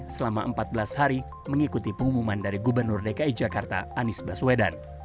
selama empat belas hari mengikuti pengumuman dari gubernur dki jakarta anies baswedan